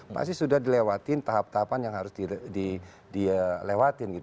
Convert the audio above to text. pasti sudah dilewati tahap tahapan yang harus dilewati